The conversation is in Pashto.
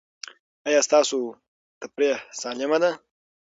ایا ستاسو تفریح سالمه ده؟